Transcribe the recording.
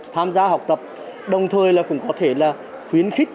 tham gia học tập đồng thời là cũng có thể là khuyến khích